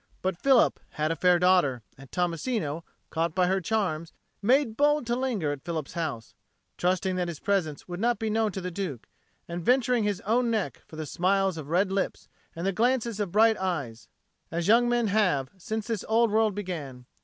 But Philip had a fair daughter, and Tommasino, caught by her charms, made bold to linger at Philip's house, trusting that his presence there would not be known to the Duke, and venturing his own neck for the smiles of red lips and the glances of bright eyes, as young men have since this old world began.